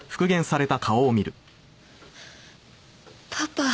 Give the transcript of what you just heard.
パパ。